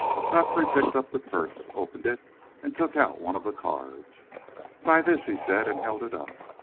Godfrey picked up the purse, opened it, and took out one of the cards. "By this," he said, and held it up.